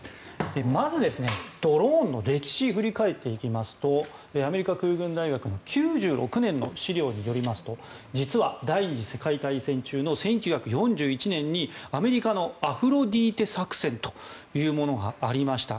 まず、ドローンの歴史を振り返っていきますとアメリカ空軍大学の９６年の資料によりますと実は第２次世界大戦中の１９４１年にアメリカのアフロディーテ作戦というものがありました。